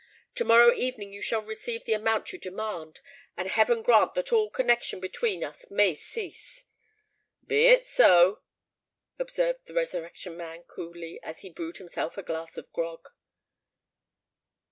To morrow evening you shall receive the amount you demand; and heaven grant that all connexion between us may cease." "Be it so," observed the Resurrection Man, coolly, as he brewed himself a glass of grog.